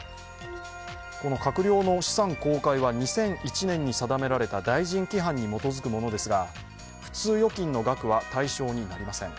この閣僚の資産公開は２００１年に定められた大臣規範に基づくものですが、普通預金の額は対象になりません。